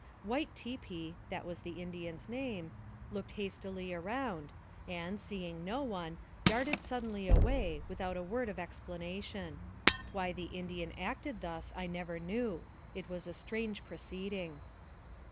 While Tipi (that was the Indian's name) looked hastily around, and, seeing no one, darted suddenly away, without a word of ex planation. Why the Indian acted thus I never knew. It was a strange proceeding.